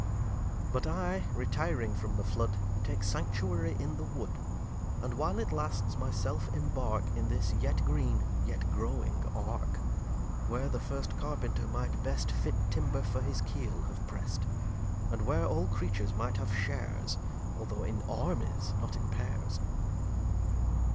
lxi But I, retiring from the Flood, Take Sanctuary in the Wood; And, while it lasts, my self imbark In this yet green, yet growing Ark; Where the first Carpenter might best Fit Timber for his Keel have Prest. And where all Creatures might have shares, Although in Armies, not in Paires.